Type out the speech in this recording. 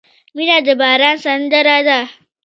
• مینه د باران سندره ده.